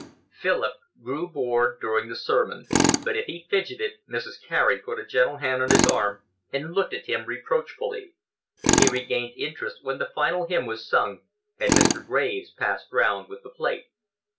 Philip grew bored during the sermon, but if he fidgetted Mrs. Carey put a gentle hand on his arm and looked at him reproachfully. He regained interest when the final hymn was sung and Mr. Graves passed round with the plate.